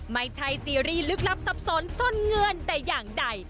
ซีรีส์ลึกลับซับสนส้นเงินแต่อย่างใด